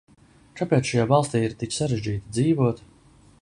Kāpēc šajā valstī ir tik sarežģīti dzīvot?